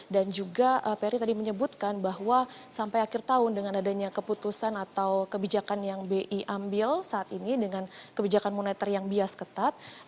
dan juga peri tadi menyebutkan bahwa sampai akhir tahun dengan adanya keputusan atau kebijakan yang bi ambil saat ini dengan kebijakan moneter yang bias ketat